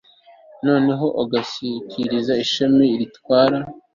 noneho, ugashyikiriza ishami ritwara